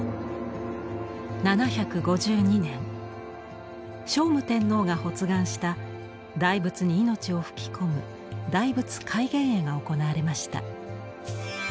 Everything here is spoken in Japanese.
７５２年聖武天皇が発願した大仏に命を吹き込む「大仏開眼会」が行われました。